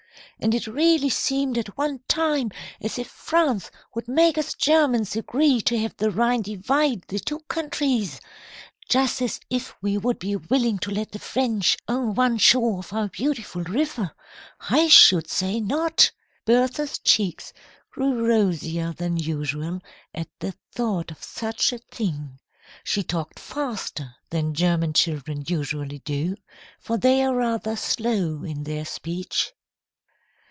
And it really seemed at one time as if France would make us Germans agree to have the Rhine divide the two countries. Just as if we would be willing to let the French own one shore of our beautiful river. I should say not!" Bertha's cheeks grew rosier than usual at the thought of such a thing. She talked faster than German children usually do, for they are rather slow in their speech.